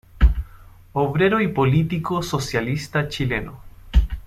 Obrero y político socialista chileno.